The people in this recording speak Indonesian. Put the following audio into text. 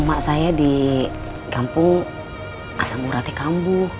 emak saya di kampung asam urati kambuh